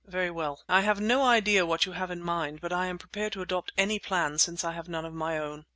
"Very well. I have no idea what you have in mind but I am prepared to adopt any plan since I have none of my own.